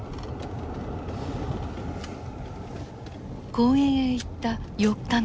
公園へ行った４日後。